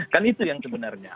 kan itu yang sebenarnya